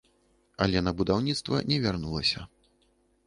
Але на будаўніцтва не вярнулася.